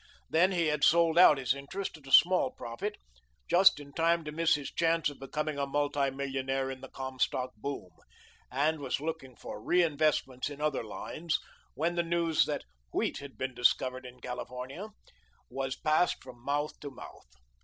Then he had sold out his interest at a small profit just in time to miss his chance of becoming a multi millionaire in the Comstock boom and was looking for reinvestments in other lines when the news that "wheat had been discovered in California" was passed from mouth to mouth.